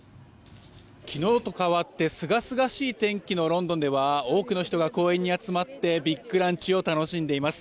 昨日と変わってすがすがしい天気のロンドンでは多くの人が公園に集まってビッグランチを楽しんでいます。